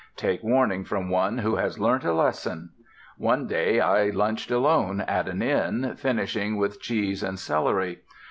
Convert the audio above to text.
Take warning from one who has learnt a lesson. One day I lunched alone at an inn, finishing with cheese and celery.